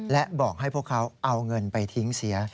และบอกให้พวกเขาเอาเงินไปทิ้งเสีย